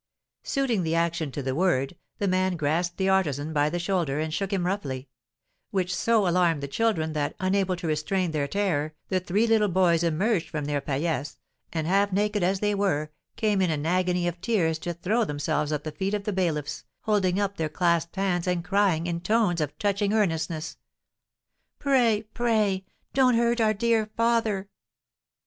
Suiting the action to the word, the man grasped the artisan by the shoulder, and shook him roughly; which so alarmed the children, that, unable to restrain their terror, the three little boys emerged from their paillasse, and, half naked as they were, came in an agony of tears to throw themselves at the feet of the bailiffs, holding up their clasped hands, and crying, in tones of touching earnestness: "Pray, pray don't hurt our dear father!"